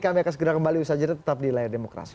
kami akan segera kembali usaha jeda tetap di layar demokrasi